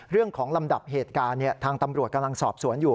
ลำดับเหตุการณ์ทางตำรวจกำลังสอบสวนอยู่